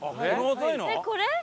えっこれ？